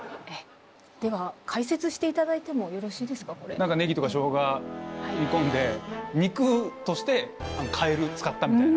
何かねぎとかしょうが煮込んで肉としてカエル使ったみたいな。